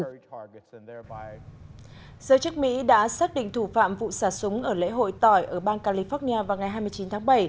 giới chức mỹ đã xác định thủ phạm vụ xả súng ở lễ hội tỏi ở bang california vào ngày hai mươi chín tháng bảy